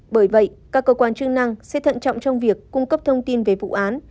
bởi vậy các cơ quan chức năng sẽ thận trọng trong việc cung cấp thông tin về vụ án